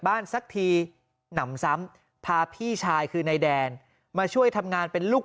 สักทีหนำซ้ำพาพี่ชายคือนายแดนมาช่วยทำงานเป็นลูก